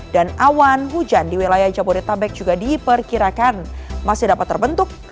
dan awan hujan di wilayah jabodetabek juga diperkirakan masih dapat terbentuk